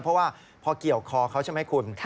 เพราะว่าพอเกี่ยวคอเขาใช่ไหมคุณ